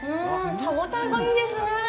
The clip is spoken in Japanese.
歯応えがいいですね。